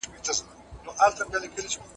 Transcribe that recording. د پښتو ژبي دپاره باید د نوو استعدادونو ملاتړ وسي